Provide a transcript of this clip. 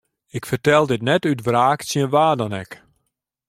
Ik fertel dit net út wraak tsjin wa dan ek.